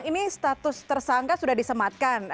ini status tersangka sudah disematkan